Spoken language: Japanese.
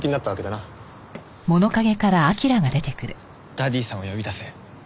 ダディさんを呼び出せ。